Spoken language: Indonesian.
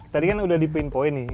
tadi kan sudah dipinpoint nih